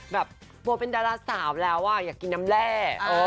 แบบกลัวเป็นดาราสาวแล้วอยากกินน้ำแร่